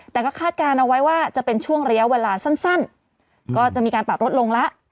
แต่ก็คาดการณ์เอาไว้ว่าจะเป็นช่วงระยะเวลาสั้นก็จะมีการปรับลดลงแล้ว